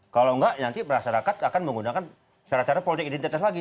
kalau enggak nanti masyarakat akan menggunakan cara cara politik identitas lagi